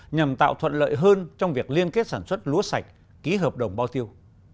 nhằm tạo thuận lợi hơn trong việc liên kết sản xuất lúa sạch ký hợp đồng bao tiêu